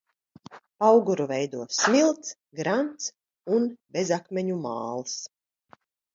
Pauguru veido smilts, grants un bezakmeņu māls.